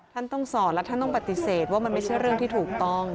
ท่านต้องสอนและท่านต้องปฏิเสธว่ามันไม่ใช่เรื่องที่ถูกต้อง